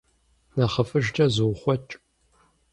Нэхъыфӏыжкӏэ зуухъуэкӏ.